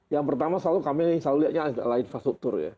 yang pertama kami selalu lihatnya adalah infrastruktur ya